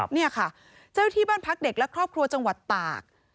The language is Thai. นี่ค่ะเจ้าที่บ้านพักเด็กและครอบครัวจังหวัดตาก